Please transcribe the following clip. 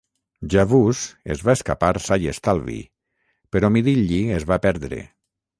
"Yavuz" es va escapar sa i estalvi, però "Midilli" es va perdre.